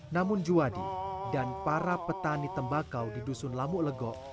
namun juwadi dan para petani tembakau di dusun lamuk legok